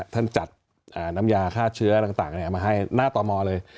ท่านจัดน้ำยาคาดเชื้อต่างมาให้หน้าตอนมเลย